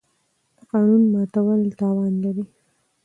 د قانون ماتول تاوان لري.